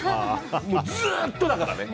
もう、ずっとだからね。